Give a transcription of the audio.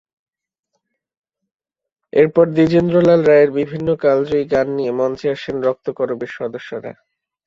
এরপর দ্বিজেন্দ্রলাল রায়ের বিভিন্ন কালজয়ী গান নিয়ে মঞ্চে আসেন রক্তকরবীর সদস্যরা।